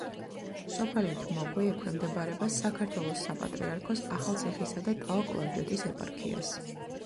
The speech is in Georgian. სოფელი თმოგვი ექვემდებარება საქართველოს საპატრიარქოს ახალციხისა და ტაო-კლარჯეთის ეპარქიას.